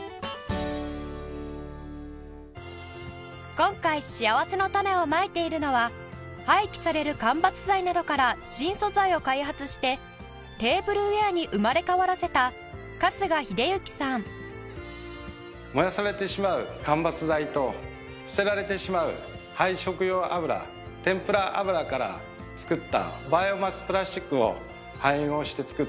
今回しあわせのたねをまいているのは廃棄される間伐材などから新素材を開発してテーブルウェアに生まれ変わらせた春日秀之さん燃やされてしまう間伐材と捨てられてしまう廃食用油天ぷら油から作った。